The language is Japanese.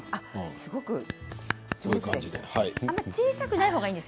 すごく上手でいいです。